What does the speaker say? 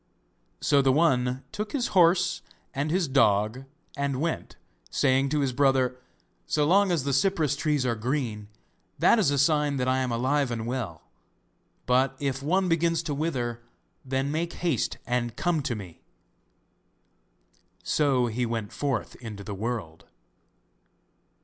So the one took his horse and his dog, and went, saying to his brother: 'So long as the cypress trees are green, that is a sign that I am alive and well; but if one begins to wither, then make haste and come to me.' So he went forth into the world.